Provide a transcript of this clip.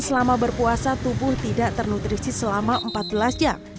selama berpuasa tubuh tidak ternutrisi selama empat belas jam